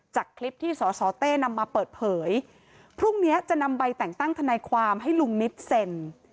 จากคลิปที่สสเต้นำมาเปิดเผยพรุ่งเนี้ยจะนำใบแต่งตั้งทนายความให้ลุงนิดเซ็น